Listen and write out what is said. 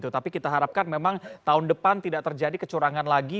tapi kita harapkan memang tahun depan tidak terjadi kecurangan lagi